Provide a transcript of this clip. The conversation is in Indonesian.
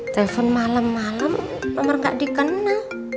telepon malem malem nomor nggak dikenal